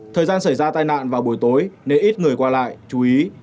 thời gian xảy ra tai nạn vào buổi tối nên ít người qua lại chú ý